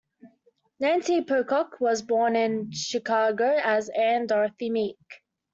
Nancy Pocock was born in Chicago as Anne Dorothy Meek.